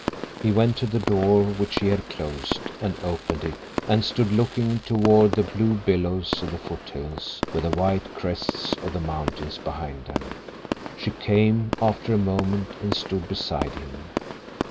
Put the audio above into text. He went to the door which she had closed, and opened it, and stood looking toward the blue billows of the foothills with the white crests of the mountains behind them. She came, after a moment, and stood beside him.